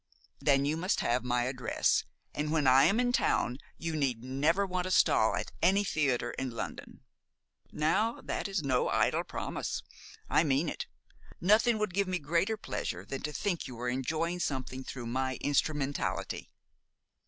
"Then you must have my address, and when I am in town you need never want a stall at any theater in London. Now, that is no idle promise. I mean it. Nothing would give me greater pleasure than to think you were enjoying something through my instrumentality."